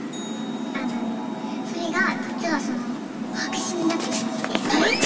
あのそれが実はその白紙になってしまって。